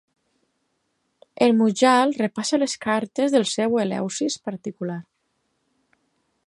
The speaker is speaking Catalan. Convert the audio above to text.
El Mujal repassa les cartes del seu Eleusis particular.